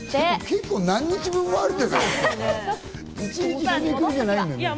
結構、何日分もある。